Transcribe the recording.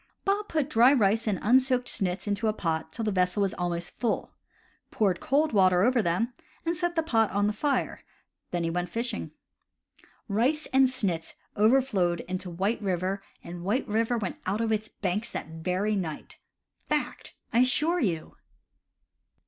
Bob put dry rice and unsoaked snits into a pot till the vessel was almost full, poured cold water over them, and set the pot on the fire; then he went fishing. Rice and snits overflowed into White River, CAMP COOKERY 129 and White River went out of its banks that very night. Fact, I assure you!